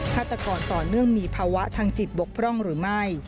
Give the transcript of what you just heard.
ฆาตกรต่อเนื่องมีภาวะทางจิตบกพร่องหรือไม่